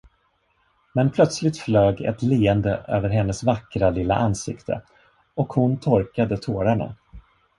Men plötsligt flög ett leende över hennes vackra lilla ansikte och hon torkade tårarna.